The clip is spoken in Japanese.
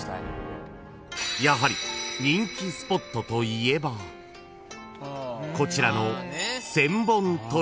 ［やはり人気スポットといえばこちらの］